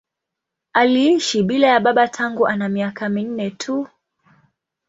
Aliishi bila ya baba tangu ana miaka minne tu.